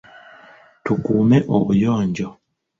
Tukuume obuyonjo.